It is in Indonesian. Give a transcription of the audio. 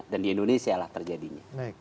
dan di indonesia lah terjadinya